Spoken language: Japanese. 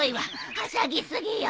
はしゃぎ過ぎよ。